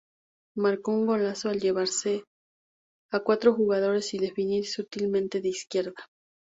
Marcó un golazo al llevarse a cuatro jugadores y definir sutilmente de izquierda.